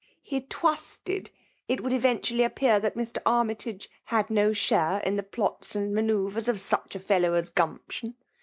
He imtttd it would eventually appear that Mr. Armytage had no share in the plots and manoeaweB of boAl a fellow as Gumption.